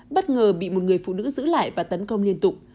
bất ngờ bị một người phụ nữ giữ lại và tấn công liên tục